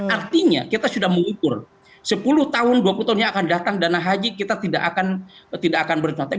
artinya kita sudah mengukur sepuluh tahun dua puluh tahun yang akan datang dana haji kita tidak akan bercontek